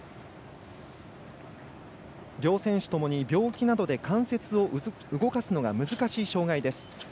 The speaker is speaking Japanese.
両選手ともに病気などで関節を動かすのが難しい障がいです。